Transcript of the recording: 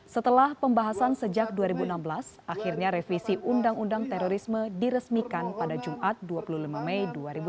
setelah pembahasan sejak dua ribu enam belas akhirnya revisi undang undang terorisme diresmikan pada jumat dua puluh lima mei dua ribu delapan belas